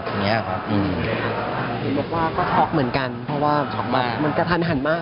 เห็นบอกว่าก็ช็อกเหมือนกันเพราะว่ามันกระทันหันมาก